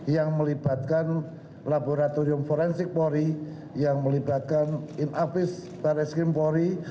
yang melibatkan laboratorium forensik pori yang melibatkan in office para eskrim pori